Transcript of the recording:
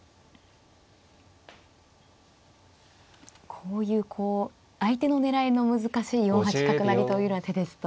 こういうこう相手の狙いの難しい４八角成というような手ですと。